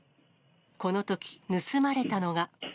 このとき、盗まれたのが。